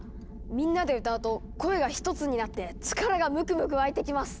みんなで歌うと声がひとつになって力がムクムクわいてきます！